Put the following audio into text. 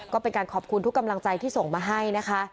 ก็เป็นการขอบคุณทุกกำลังใจที่ส่งมาให้นะคะ